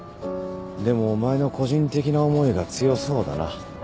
でもお前の個人的な思いが強そうだな。